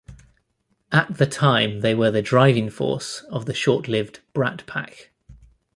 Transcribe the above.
At the time they were the driving force of the short lived Brat Pack.